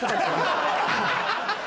ハハハ！